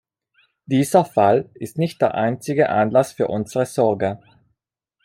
Dieser Fall ist nicht der einzige Anlass für unsere Sorge.